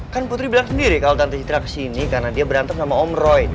kan putri bilang sendiri kalau tante citra kesini karena dia berantem sama om roy